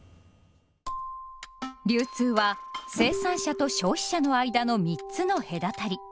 流通は生産者と消費者の間の３つの隔たり。